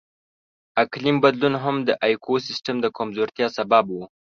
اقلیم بدلون هم د ایکوسیستم د کمزورتیا سبب و.